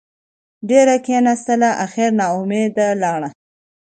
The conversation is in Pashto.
ډېره کېناستله اخېر نااوميده لاړه.